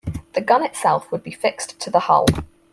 The gun itself would be fixed to the hull.